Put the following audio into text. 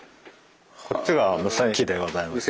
こっちが無線機でございます。